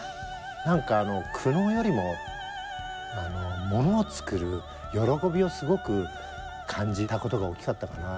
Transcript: なんかあの苦悩よりもあのものをつくる喜びをすごく感じたことが大きかったかな。